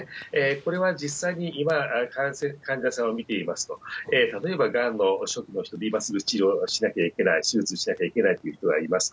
これは実際に今、患者さんを診ていますと、例えばがんの初期の人で今すぐ治療しなきゃいけない、手術しなきゃいけない人がいますと。